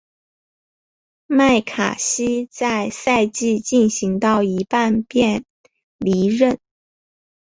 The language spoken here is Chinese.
麦卡锡在赛季进行到一半便离任。